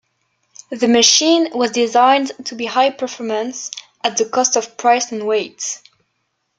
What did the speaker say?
The machine was designed to be high-performance, at the cost of price and weight.